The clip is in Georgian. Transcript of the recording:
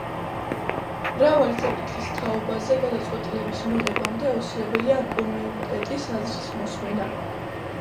მრავალი საკითხის თაობაზე გადაწყვეტილების მიღებამდე აუცილებელია ამ კომიტეტის აზრის მოსმენა.